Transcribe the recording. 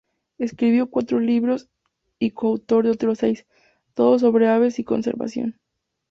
Escribió cuatro libros, y coautor de otros seis, todos sobre aves y conservación.